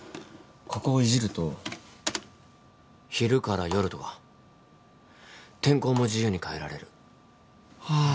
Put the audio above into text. ここをいじると昼から夜とか天候も自由に変えられるはあ